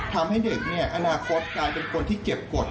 ทำให้เด็กเนี่ยอนาคตกลายเป็นคนที่เก็บกฎ